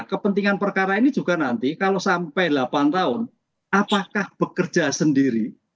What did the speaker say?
kepentingan perkara ini juga nanti kalau sampai delapan tahun apakah bekerja sendiri